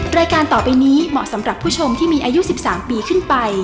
รายการต่อไปนี้เหมาะสำหรับผู้ชมที่มีอายุ๑๓ปีขึ้นไป